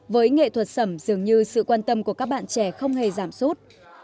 với nghệ thuật sẩm dường như sự quan tâm của các bạn trẻ không hề giảm sút